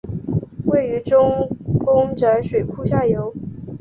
位于周公宅水库下游。